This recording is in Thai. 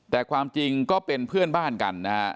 แต่ความจริงก็เป็นเพื่อนบ้านกันนะฮะ